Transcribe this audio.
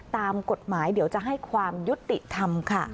ตามกฎหมายเดี๋ยวจะให้ความยุติธรรมค่ะ